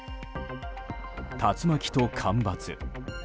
竜巻と干ばつ。